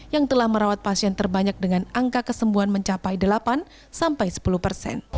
yang telah merawat pasien terbanyak dengan angka kesembuhan mencapai delapan sampai sepuluh persen